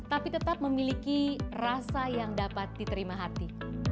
tapi tetap memiliki rasa yang dapat diterima hati